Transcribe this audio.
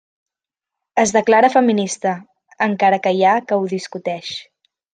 Es declara feminista, encara que hi ha que ho discuteix.